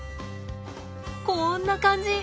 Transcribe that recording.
こんな感じ。